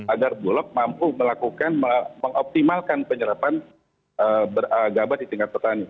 agar bulog mampu melakukan mengoptimalkan penyerapan gabah di tingkat petani